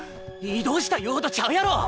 移動した言うほどちゃうやろ。